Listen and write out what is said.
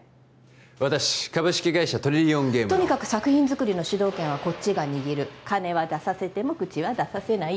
私株式会社トリリオンゲームのとにかく作品作りの主導権はこっちが握る金は出させても口は出させない